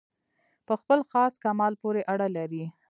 په خپل خاص کمال پوري اړه لري.